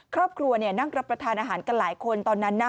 ครอบครัวนั่งรับประทานอาหารกันหลายคนตอนนั้นนะ